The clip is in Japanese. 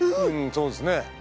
そうですね。